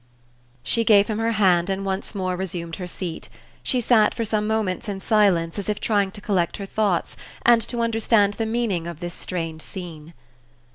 She gave him her hand, and once more resumed her seat. She sat for some moments in silence, as if trying to collect her thoughts, and to understand the meaning of this strange scene.